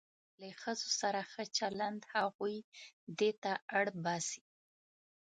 له ښځو سره ښه چلند هغوی دې ته اړ باسي.